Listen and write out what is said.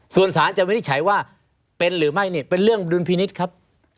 ส่วนสารจะวินิจฉัยว่าเป็นหรือไม่เนี่ยเป็นเรื่องดุลพินิษฐ์ครับ